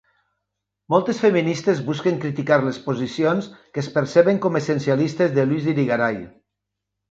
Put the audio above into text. Moltes feministes busquen criticar les posicions que es perceben com essencialistes de Luce Irigaray.